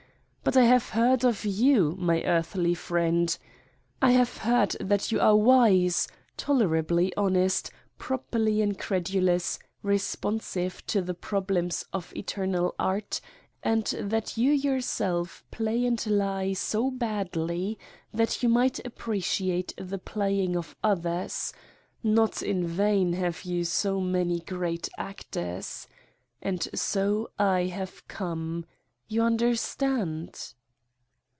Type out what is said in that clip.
But I have beard of you, 7 Satan's Diary my earthly friend ; I have heard that you are wise, tolerably honest, properly incredulous, respon sive to the problems of eternal art and that you yourself play and lie so badly that you might ap preciate the playing of others : not in vain have you so many great actors. And so I have come. You understand?